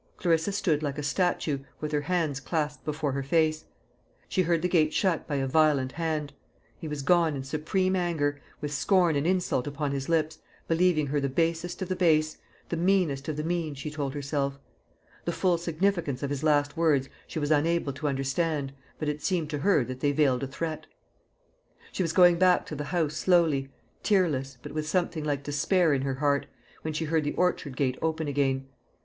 Clarissa stood like a statue, with her hands clasped before her face. She heard the gate shut by a violent hand. He was gone in supreme anger, with scorn and insult upon his lips, believing her the basest of the base, the meanest of the mean, she told herself. The full significance of his last words she was unable to understand, but it seemed to her that they veiled a threat. She was going back to the house slowly, tearless, but with something like despair in her heart, when she heard the orchard gate open again.